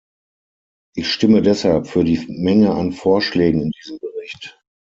Ich stimme deshalb für die Menge an Vorschlägen in diesem Bericht.